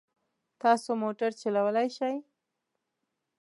تاسو موټر چلولای شئ؟